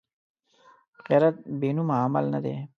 غیرت بېنومه عمل نه دی